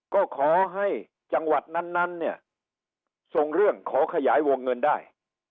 ก็ขอให้จังหวัดนั้นเนี่ยส่งเรื่องขอขยายวงเงินได้